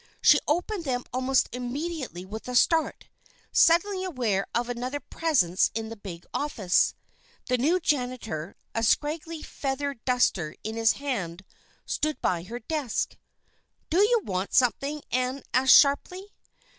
She opened them almost immediately with a start, suddenly aware of another presence in the big office. The new janitor, a scraggly feather duster in his hand, stood by her desk. "Did you want something?" Ann asked sharply.